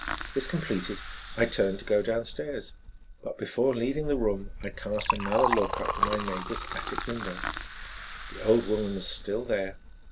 This completed, I turned to go downstairs. But before leaving the room I cast another look up at my neighbor's attic window. The old woman was still there.